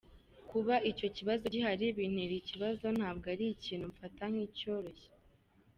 Kuba icyo kibazo gihari bintera ikibazo ntabwo ari ikintu mfata nk'icyoroshye.